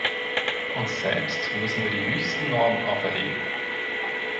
Uns selbst müssen wir die höchsten Normen auferlegen.